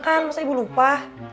belum makan masa ibu lupa